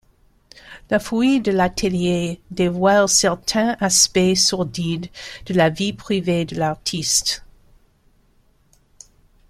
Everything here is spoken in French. La fouille de l'atelier dévoile certains aspects sordides de la vie privée de l'artiste...